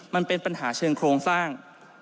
มันเป็นปัญหาเชิงโครงสร้าง